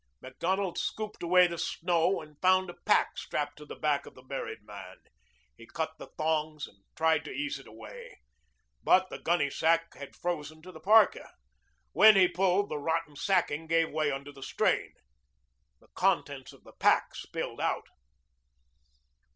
Macdonald scooped away the snow and found a pack strapped to the back of the buried man. He cut the thongs and tried to ease it away. But the gunnysack had frozen to the parka. When he pulled, the rotten sacking gave way under the strain. The contents of the pack spilled out.